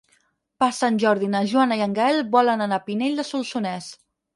Per Sant Jordi na Joana i en Gaël volen anar a Pinell de Solsonès.